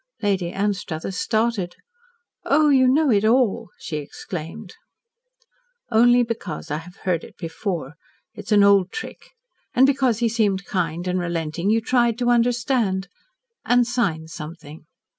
Lady Anstruthers started. "Oh, you know it all!" she exclaimed "Only because I have heard it before. It is an old trick. And because he seemed kind and relenting, you tried to understand and signed something."